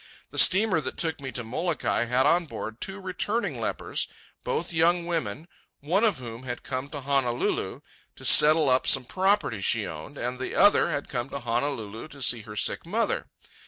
The steamer that took me to Molokai had on board two returning lepers, both young women, one of whom had come to Honolulu to settle up some property she owned, and the other had come to Honolulu to see her sick mother.